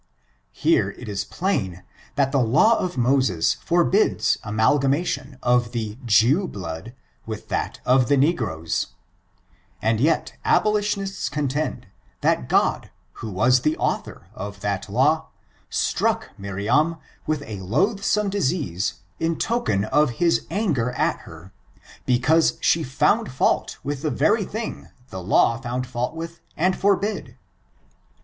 Here, it is plain that the law of Moses forbids amalgamation of the Jew blood with that of the negro's; and yet abolitionists contend, that God, who was the author of that law, struck Miriam with a loathsome disease in token of ' his anger at her, because she found fault with the very thing the law found fault with and forbid.